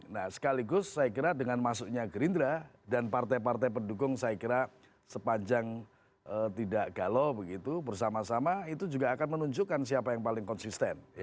nah sekaligus saya kira dengan masuknya gerindra dan partai partai pendukung saya kira sepanjang tidak galau begitu bersama sama itu juga akan menunjukkan siapa yang paling konsisten